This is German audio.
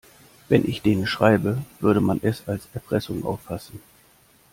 Wenn ich denen schreibe, würde man es als Erpressung auffassen.